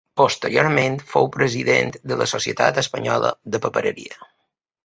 Posteriorment fou president de la Societat Espanyola de Papereria.